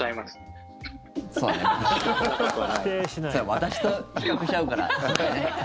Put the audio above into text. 私と比較しちゃうから。